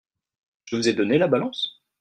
Je vous ai donné la balance ?